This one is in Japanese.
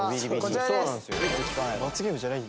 「罰ゲームじゃない」